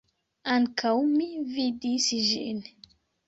Ankaŭ mi vidis ĝin.